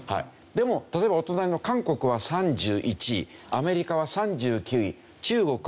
でも例えばお隣の韓国は３１位アメリカは３９位中国は６３位。